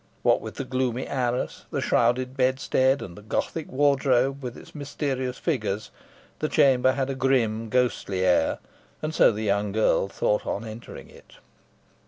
What with the gloomy arras, the shrouded bedstead, and the Gothic wardrobe with its mysterious figures, the chamber had a grim, ghostly air, and so the young girl thought on entering it.